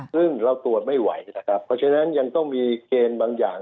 ซึ่งเราตรวจไม่ไหวนะครับเพราะฉะนั้นยังต้องมีเกณฑ์บางอย่าง